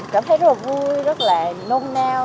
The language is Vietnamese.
cảm thấy rất là vui rất là nôn nao